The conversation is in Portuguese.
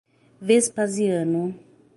Vespasiano